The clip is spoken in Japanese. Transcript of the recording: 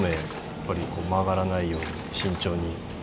やっぱり曲がらないように慎重に。